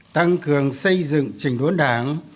tăng cường xây dựng trình đốn đảng